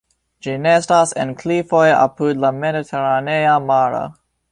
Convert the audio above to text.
Ĝi nestas en klifoj apud la mediteranea maro.